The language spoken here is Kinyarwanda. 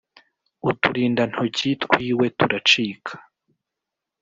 uturindantoki twiwe turacika